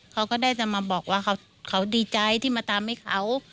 เขาก็ได้จะมาบอกว่าเขาดีใจที่มาทำให้เขา